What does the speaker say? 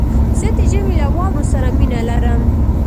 زه د ژمي له واورو سره مينه لرم